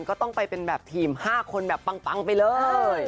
ก็ต้องไปเป็นแบบทีม๕คนแบบปังไปเลย